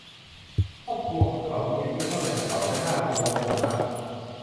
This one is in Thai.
ครอบครัวของเขามีอายุเท่าเนินเขา และน่าเคารพอย่างมาก